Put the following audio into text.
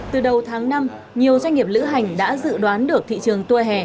từ đầu tháng năm nhiều doanh nghiệp lữ hành đã dự đoán được thị trường tour hè